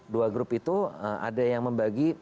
dua grup itu ada yang membagi